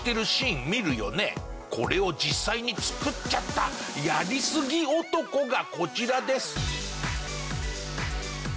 これを実際に作っちゃったやりすぎ男がこちらです。